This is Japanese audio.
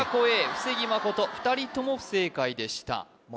布施木誠２人とも不正解でしたま